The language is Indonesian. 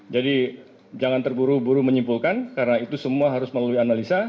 jadi jangan terburu buru menyimpulkan karena itu semua harus melalui analisa